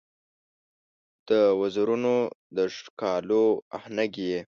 د وزرونو د ښکالو آهنګ یې